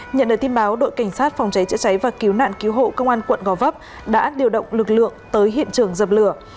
nhận được tin báo đội cảnh sát phòng cháy chữa cháy và cứu nạn cứu hộ công an quận gò vấp đã điều động lực lượng tới hiện trường dập lửa